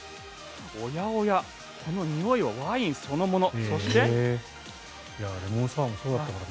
おやおや、このにおいはワインそのもの。